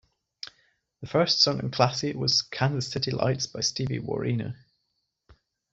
The first song on "Classy" was "Kansas City Lights" by Steve Wariner.